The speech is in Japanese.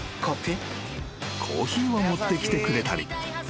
［コーヒーを持ってきてくれたり］